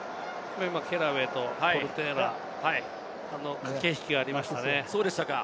ケラウェイとポルテーラ、駆け引きがありましたね。